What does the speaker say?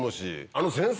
あの先生